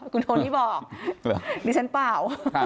คุณโทนี่บอกดิฉันเปล่า